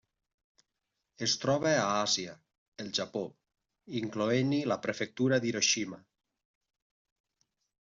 Es troba a Àsia: el Japó, incloent-hi la prefectura d'Hiroshima.